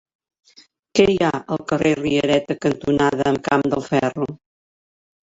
Què hi ha al carrer Riereta cantonada Camp del Ferro?